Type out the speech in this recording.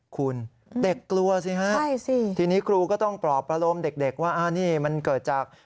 คุณเด็กกลัวสิฮะทีนี้ครูก็ต้องปลอบประโลมเด็กว่านี่มันเกิดจาก